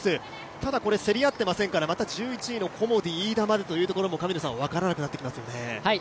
ただ、競り合っていませんから、１１位のコモディイイダまで分からなくなってきますよね。